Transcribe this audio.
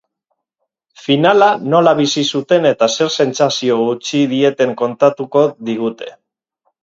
Finala nola bizi zuten eta zer sentsazio utzi dieten kontatuko digute.